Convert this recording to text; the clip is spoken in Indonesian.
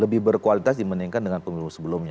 lebih berkualitas dibandingkan dengan pemilu sebelumnya